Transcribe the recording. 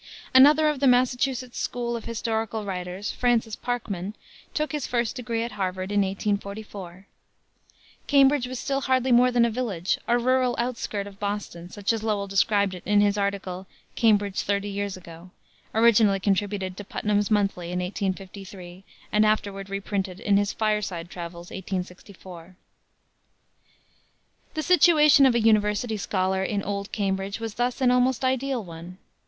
Another of the Massachusetts school of historical writers, Francis Parkman, took his first degree at Harvard in 1844. Cambridge was still hardly more than a village, a rural outskirt of Boston, such as Lowell described it in his article, Cambridge Thirty Years Ago, originally contributed to Putnam's Monthly in 1853, and afterward reprinted in his Fireside Travels, 1864. The situation of a university scholar in old Cambridge was thus an almost ideal one.